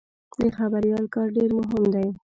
د خبریال کار ډېر مهم دی.